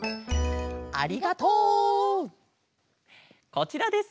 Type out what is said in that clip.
こちらです。